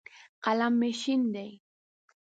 قلم مې شین دی.